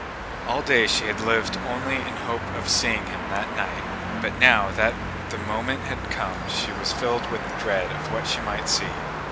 All day she had lived only in hope of seeing him that night. But now that the moment had come she was filled with dread of what she might see.